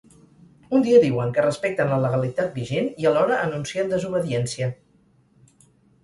Un dia diuen que respecten la legalitat vigent i alhora anuncien desobediència.